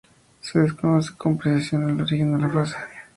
Se desconoce con precisión el origen de la frase.